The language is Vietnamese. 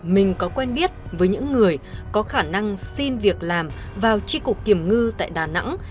mình có quen biết với những người có khả năng xin việc làm vào tri cục kiểm ngư tại đà nẵng